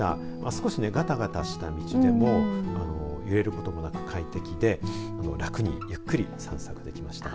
少しがたがたした道でも揺れることもなく快適で楽に、ゆっくり散策できました。